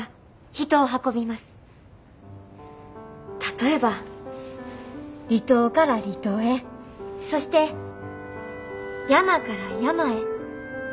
例えば離島から離島へそして山から山へ。